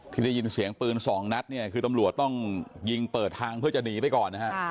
ที่จะยินเสียงปืน๒นับนี่คือสำรวจต้องยิงเปิดทางเพื่อจะดีไปก่อน